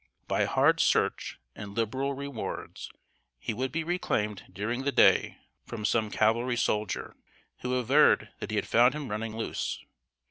By hard search and liberal rewards, he would be reclaimed during the day from some cavalry soldier, who averred that he had found him running loose.